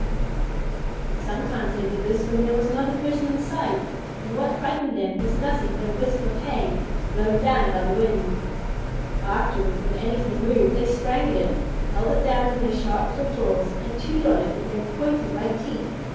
Sometimes they did this when there was not a person in sight and what frightened them was nothing but a wisp of hay, blown down by the wind. Afterward, when anything moved, they sprang at it, held it down with their sharp little claws, and chewed on it with their pointed white teeth.